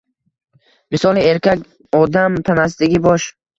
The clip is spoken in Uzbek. Misoli erkak odam tanasidagi bosh.